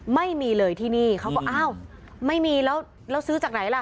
ไม่มีเลยที่นี่เขาก็อ้าวไม่มีแล้วซื้อจากไหนล่ะ